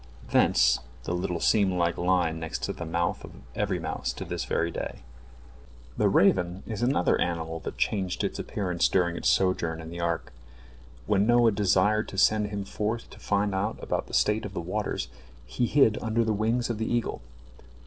Thence the little seam like line next to the mouth of every mouse to this very day. The raven is another animal that changed its appearance during its sojourn in the ark. When Noah desired to send him forth to find out about the state of the waters, he hid under the wings of the eagle.